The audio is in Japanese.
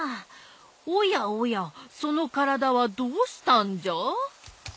おやおやそのからだはどうしたんじゃ？